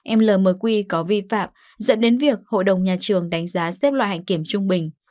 em l mới quy có vi phạm dẫn đến việc hội đồng nhà trường đánh giá xếp loại hạnh kiểm trung bình